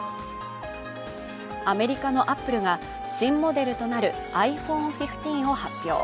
アメリカのアップルが新モデルとなるｉＰｈｏｎｅ１５を発表。